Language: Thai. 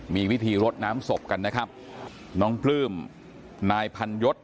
มีวิธีรดน้ำศพกันนะครับน้องปลื้มนายพันยศ